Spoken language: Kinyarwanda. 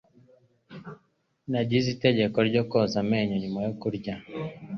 Nagize itegeko ryo koza amenyo nyuma yo kurya.